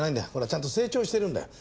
ちゃんと成長してるんだよ。